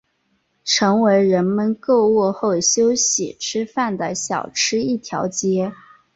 成为人们购物后休息吃饭的小吃一条街。